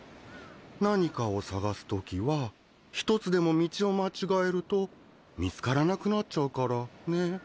何かを探すときは一つでも道を間違えると見つからなくなっちゃうからね。